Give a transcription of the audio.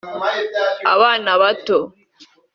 abana bato